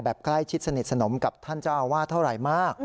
ใกล้ชิดสนิทสนมกับท่านเจ้าอาวาสเท่าไหร่มาก